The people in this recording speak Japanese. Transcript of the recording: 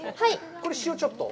これ、塩ちょっと？